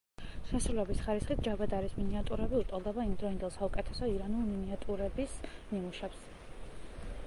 შესრულების ხარისხით ჯაბადარის მინიატიურები უტოლდება იმდროინდელ საუკეთესო ირანულ მინიატიურების ნიმუშებს.